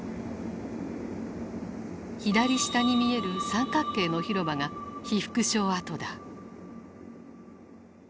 左下に見える三角形の広場が被服廠跡だ。